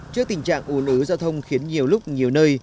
trước tình trạng ồn ớt giao thông khiến nhiều lúc nhiều nơi